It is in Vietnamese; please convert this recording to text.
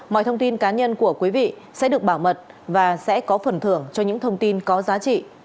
mọi thông tin cá nhân của quý vị sẽ được bảo mật và sẽ có phần thưởng cho những thông tin có giá trị